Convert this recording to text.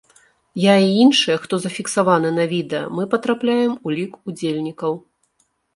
Я і іншыя, хто зафіксаваны на відэа, мы патрапляем у лік удзельнікаў.